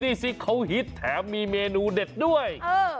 นี่สิเขาฮิตแถมมีเมนูเด็ดด้วย